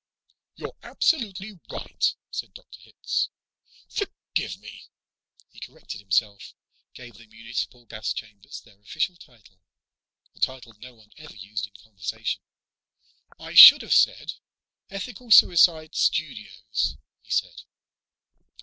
"You're absolutely right," said Dr. Hitz. "Forgive me." He corrected himself, gave the municipal gas chambers their official title, a title no one ever used in conversation. "I should have said, 'Ethical Suicide Studios,'" he said.